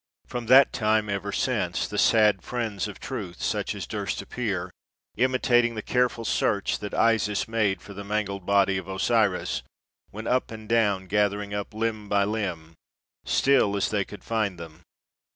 From that time ever since, 106 MILTON the sad friends of Truth, such as durst appear, imitating the careful search that Isis made for the mangled body of Osiris, went up and down gathering up limb by limb, still is they could find them.